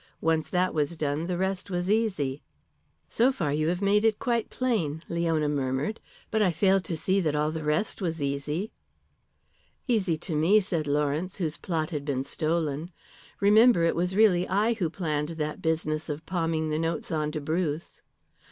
Once that was done the rest was easy." "So far you have made it quite plain," Leona murmured, "but I fail to see that all the rest was easy." "Easy to me," said Lawrence, "whose plot had been stolen. Remember it was really I who planned that business of palming the notes on to Bruce."